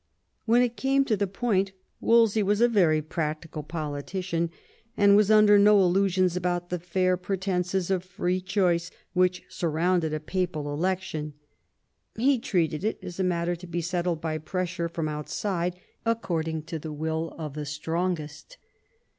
When it came to the point Wolsey was a very practical politician, and was under VI THE IMPERIAL ALLIANCE 87 no illusions about the fair pretences of free choice which surrounded a papal election. He treated it as a matter to be settled by pressure from outside, according to the will of the strongest.